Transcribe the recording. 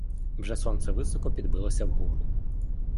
Вже сонце високо підбилося вгору.